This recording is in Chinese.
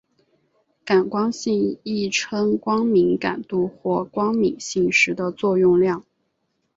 感光性亦称光敏感度或光敏性时的作用量。